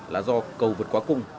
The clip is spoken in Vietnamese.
là do cầu vượt quá cung